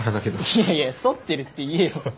いやいや剃ってるって言えよ。